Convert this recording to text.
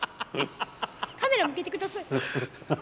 カメラ向けてください。